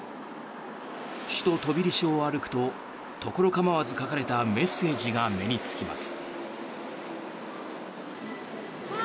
首都トビリシを歩くとところかまわず書かれたメッセージが目につきます。